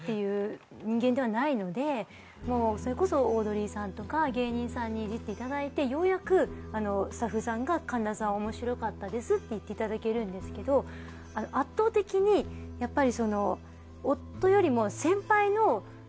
もうそれこそオードリーさんとか芸人さんにイジっていただいてようやくスタッフさんが神田さんおもしろかったですって言っていただけるんですけど圧倒的にやっぱり。